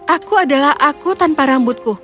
aku adalah aku tanpa rambutku